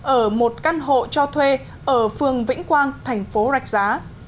ở một căn hộ cho thuê ở phường vĩnh quang thành phố rạch giá